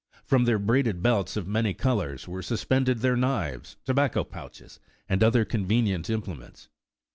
From their braided belts of many colors were suspended their knives, tobacco pouches, and other convenient implements.